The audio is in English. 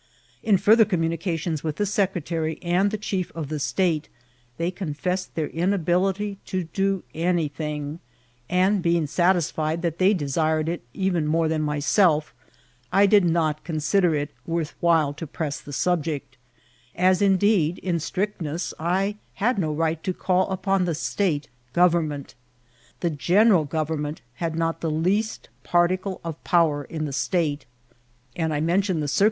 In farther communications with the secretary and the chief of the state, they con fessed their inability to do anything; and being sat isfied that they desired it even more than myself, I did not consider it worth while to press the subject ; as in deed, in strictness, I had no right to call iqpon the state government. The general government had not the least particle of power in the state, and I mention the cir^ Vol.